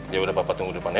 yaudah papa tunggu di depan ya